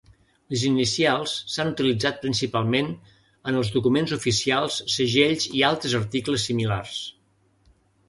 Les inicials s'han utilitzat principalment en els documents oficials, segells i altres articles similars.